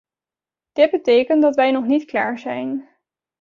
Dit betekent dat wij nog niet klaar zijn.